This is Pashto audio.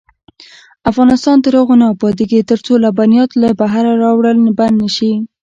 افغانستان تر هغو نه ابادیږي، ترڅو لبنیات له بهره راوړل بند نشي.